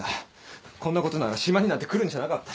こんなことなら島になんて来るんじゃなかった。